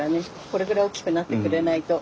これぐらい大きくなってくれないと。